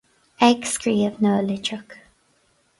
Ag scríobh na litreach.